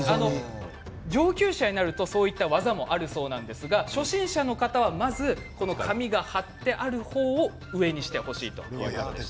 上級者になるとそういう技もあるそうですが初心者の方は紙が貼ってある方を上にしてほしいと。